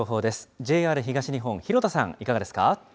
ＪＲ東日本、弘田さん、いかがですか？